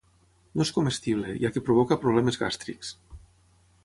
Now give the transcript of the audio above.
No és comestible, ja que provoca problemes gàstrics.